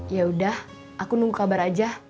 yaudah aku nunggu kabar aja